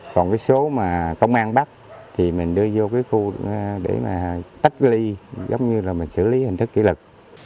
còn cái số mà công an bắt thì mình đưa vô cái khu để mà tắt ly giống như là mình xử lý hình thức kỷ lực